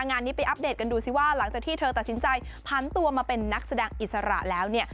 งานนี้ไปอัปเดตกันดูสิว่าหลังจากที่เธอตัดสินใจพันตัวมาเป็นนักแสดงอิสระแล้วเนี่ย